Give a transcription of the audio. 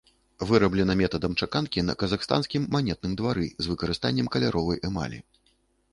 Выраблена метадам чаканкі на казахстанскім манетным двары з выкарыстаннем каляровай эмалі.